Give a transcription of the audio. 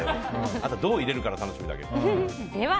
あとどう入れるかが楽しみだけど。